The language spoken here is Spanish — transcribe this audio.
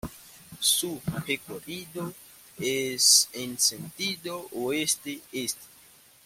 Su recorrido es en sentido oeste-este.